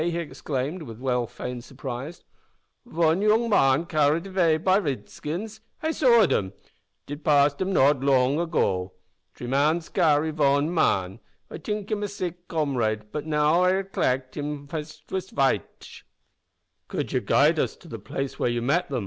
he exclaimed, with well feigned surprise; "von yoong man carried avay by Ridskins. I saw'd dem! Did pass dem not longe ago. T'ree mans carry von man. I t'ink him a sick comrade, but now I reklect hims face vas vhitish." "Could ye guide us to the place where ye met them?"